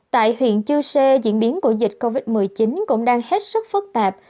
tại huyện chư sê diễn biến của dịch covid một mươi chín cũng đang hết sức phức tạp